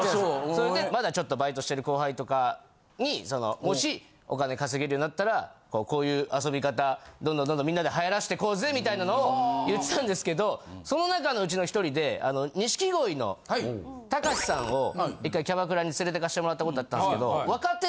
そいでまだちょっとバイトしてる後輩とかにもしお金稼げるようになったらこういう遊び方どんどんどんどんみんなで流行らしてこうぜみたいなのを言ってたんですけどその中のうちの１人で錦鯉の隆さんを１回キャバクラに連れて行かしてもらったことあったんっすけど。